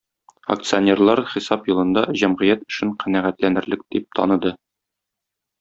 Акционерлар хисап елында җәмгыять эшен канәгатьләнерлек дип таныды.